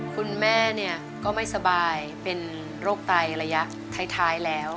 คุณแม่ก็ไม่สบายเป็นโรคไตระยะท้ายแล้ว